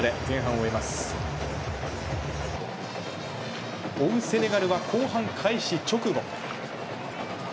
追うセネガルは後半開始直後。